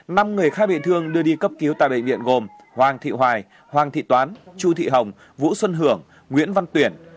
năm người khác bị thương đưa đi cấp cứu tại bệnh viện gồm hoàng thị hoài hoàng thị toán chu thị hồng vũ xuân hưởng nguyễn văn tuyển